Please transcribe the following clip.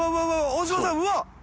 大島さんうわっ！